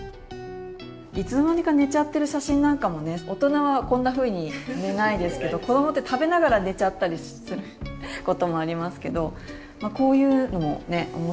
いつの間にか寝ちゃってる写真なんかもね大人はこんなふうに寝ないですけど子どもって食べながら寝ちゃったりすることもありますけどこういうのもね面白い。